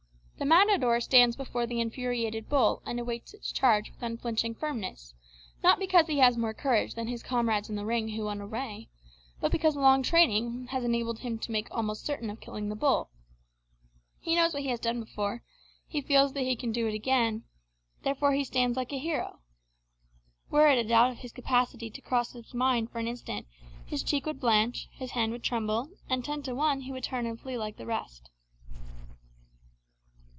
The matador stands before the infuriated bull, and awaits its charge with unflinching firmness, not because he has more courage than his comrades in the ring who run away, but because long training has enabled him to make almost certain of killing the bull. He knows what he has done before, he feels that he can do it again, therefore he stands like a hero. Were a doubt of his capacity to cross his mind for an instant, his cheek would blanch, his hand would tremble, and, ten to one, he would turn and flee like the rest.